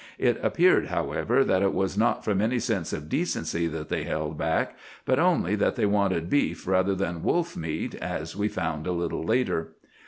It appeared, however, that it was not from any sense of decency that they held back, but only that they wanted beef rather than wolf meat, as we found a little later.